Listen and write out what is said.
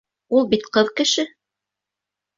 Ул бит ҡыҙ кеше!